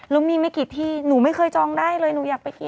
แล้วมีไม่กี่ที่หนูไม่เคยจองได้เลยหนูอยากไปเที่ยว